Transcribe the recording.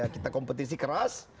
kita kompetisi keras